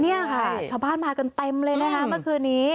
นี่ค่ะชาวบ้านมากันเต็มเลยนะคะเมื่อคืนนี้